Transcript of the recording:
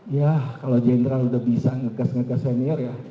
yah kalau jenderal sudah bisa ngegas ngegas senior